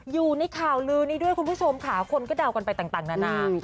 อยู่ในข่าวลือนี้ด้วยคุณผู้ชมค่ะคนก็เดากันไปต่างนานา